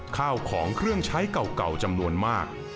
ข้าวของเครื่องใช้เก่าจำนวนมาก